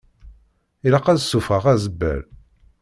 Ilaq ad ssufɣeɣ azebbal.